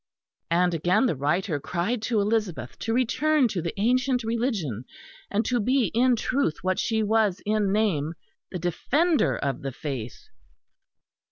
And again the writer cried to Elizabeth to return to the ancient Religion, and to be in truth what she was in name, the Defender of the Faith.